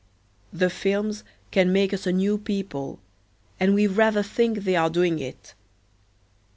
The films can make us a new people and we rather think they are doing it.